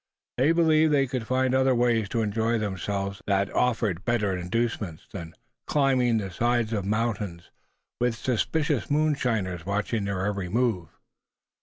They believed they could find other ways to enjoy themselves that offered better inducements than climbing the sides of mountains, with suspicious moonshiners watching their every move.